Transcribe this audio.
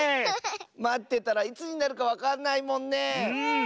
まってたらいつになるかわかんないもんねえ。